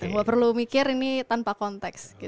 nggak perlu mikir ini tanpa konteks